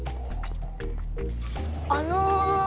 あの。